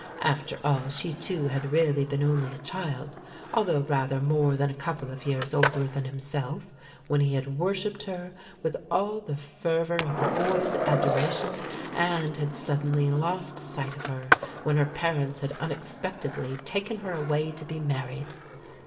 After all she too had really been only a child, although rather more than a couple of years older than himself, when he had worshipped her with all the fervour of a boy's adoration and had suddenly lost sight of her when her parents had unexpectedly taken her away to be married.